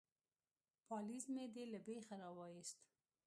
_پالېز مې دې له بېخه را وايست.